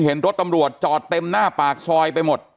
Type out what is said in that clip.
เห็นรถตำรวจจอดเต็มหน้าปากซอยไปหมด